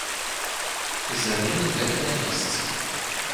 І зрабіла гэта на месцы.